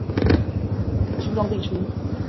新莊地區